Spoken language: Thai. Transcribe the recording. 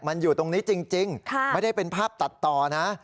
มันอยู่ตรงนี้จริงไม่ได้เป็นภาพตัดต่อนะ